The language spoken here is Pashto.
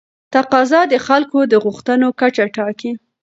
تقاضا د خلکو د غوښتنو کچه ټاکي.